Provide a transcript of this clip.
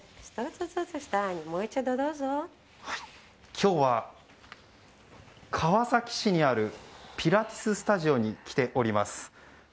今日は川崎市にあるピラティススタジオに来ております。